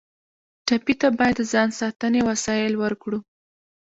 ټپي ته باید د ځان ساتنې وسایل ورکړو.